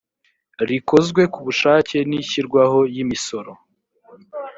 rikozwe ku bushake n ishyirwaho yimisoro